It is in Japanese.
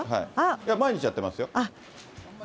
毎日やってますよ。